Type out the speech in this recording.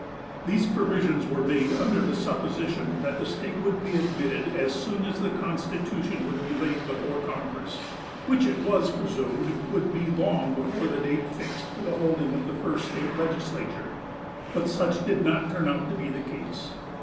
These provisions were made under the supposition that the state would be admitted as soon as the constitution would be laid before congress, which it was presumed would be long before the date fixed for the holding of the first state legislature; but such did not turn out to be the case.